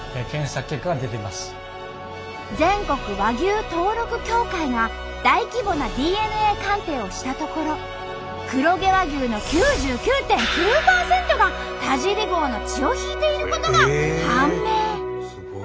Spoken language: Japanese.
全国和牛登録協会が大規模なＤＮＡ鑑定をしたところ黒毛和牛の９９．９％が田尻号の血を引いていることが判明。